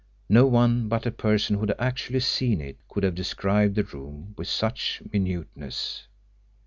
No one but a person who had actually seen it could have described the room with such minuteness.